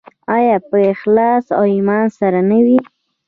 آیا په اخلاص او ایمان سره نه وي؟